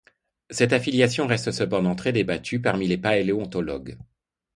Cette affiliation reste cependant très débattue parmi les paléontologues.